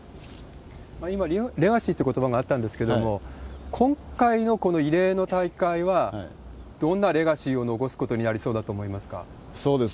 今、レガシーってことばがあったんですけれども、今回のこの異例の大会は、どんなレガシーを残すことになりそうだと思います